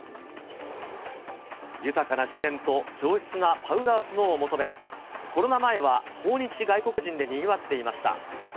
豊かな自然と上質なパウダースノーを求め、コロナ前は訪日外国人でにぎわっていました。